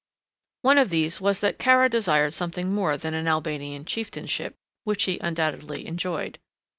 One of these was that Kara desired something more than an Albanian chieftainship, which he undoubtedly enjoyed.